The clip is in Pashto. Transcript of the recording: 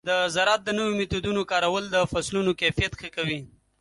د زراعت د نوو میتودونو کارول د فصلونو کیفیت ښه کوي.